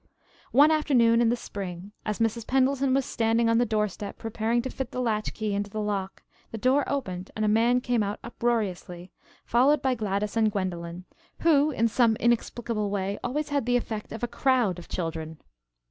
One afternoon in the spring, as Mrs. Pendleton was standing on the door step preparing to fit the latch key into the lock, the door opened and a man came out uproariously, followed by Gladys and Gwendolen, who, in some inexplicable way, always had the effect of a crowd of children.